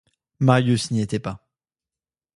Marius n'y était pas.